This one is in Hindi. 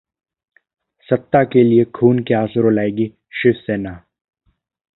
सत्ता के लिए खून के आंसू रुलाएगी शिवसेना